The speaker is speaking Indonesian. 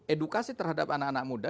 edukasi terhadap anak anak muda